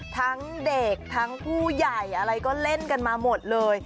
ทั้งเด็กทั้งผู้ใหญ่อะไรก็เล่นกันมาหมดเลย